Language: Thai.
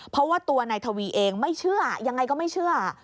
เพราะว่าตัวนายทวีเองไม่เชื่อยังไงก็ไม่เชื่อ